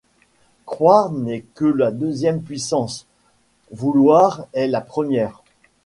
Croire n’est que la deuxième puissance ; vouloir est la première.